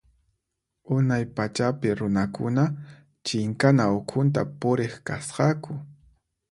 Unay pachapi runakuna chinkana ukhunta puriq kasqaku.